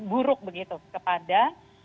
buruk begitu kepada